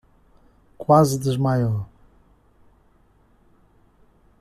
Quase desmaiou